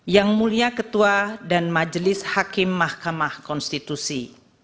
yang mulia ketua dan majelis hakim mahkamah konstitusi